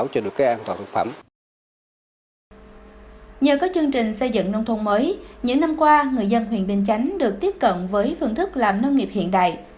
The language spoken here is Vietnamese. hôm qua người dân huyện bình chánh được tiếp cận với phương thức làm nông nghiệp hiện đại